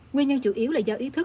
nguyên nhân chủ yếu là do ý thức